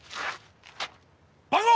番号！